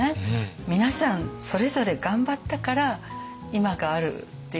皆さんそれぞれ頑張ったから今があるっていうか国ができた。